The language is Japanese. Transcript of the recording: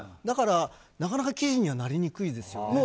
だから、なかなか記事にはなりにくいですよね。